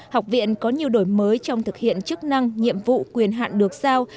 học viện có nhiều đổi mới trong thực hiện chức năng nhiệm vụ quyền hạn được giao